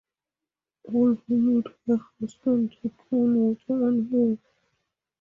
All who meet her hasten to throw water on her.